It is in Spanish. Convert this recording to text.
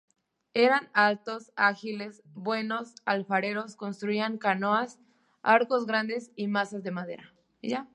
Eran altos, ágiles, buenos alfareros, construían canoas, arcos grandes y mazas de madera.